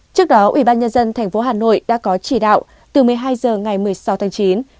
trước đó ủy ban nhân dân thành phố hà nội đã có chỉ đạo từ một mươi hai h ngày một mươi sáu tháng chín